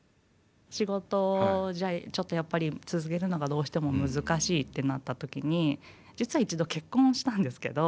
仕事をじゃあちょっとやっぱり続けるのがどうしても難しいってなった時に実は一度結婚をしたんですけど。